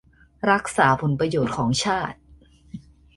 รักษาผลประโยชน์ของชาติ